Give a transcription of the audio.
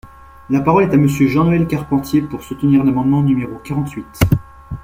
La parole est à Monsieur Jean-Noël Carpentier, pour soutenir l’amendement numéro quarante-huit.